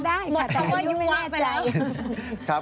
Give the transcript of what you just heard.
หมดคำว่ายุ่งว๊ากไปแล้ว